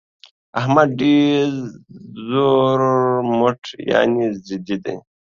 احمد ډېر زورمټ يانې ضدي دى.